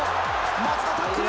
松田タックル。